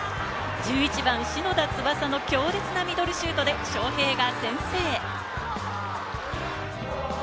１１番・篠田翼の強烈なミドルシュートで昌平が先制。